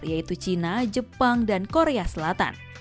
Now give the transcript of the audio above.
yaitu cina jepang dan korea selatan